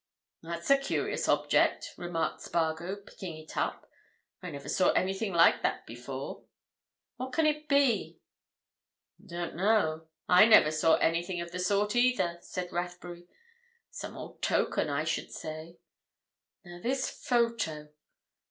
"That's a curious object," remarked Spargo, picking it up. "I never saw anything like that before. What can it be?" "Don't know—I never saw anything of the sort either," said Rathbury. "Some old token, I should say. Now this photo.